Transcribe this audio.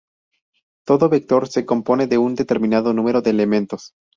Todo vector se compone de un determinado número de elementos.